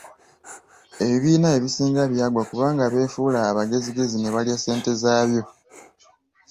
Ebibiina ebisinga byagwa kubanga beefuula abagezigezi ne balya ssente zaabyo.